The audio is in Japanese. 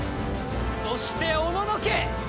そしておののけ！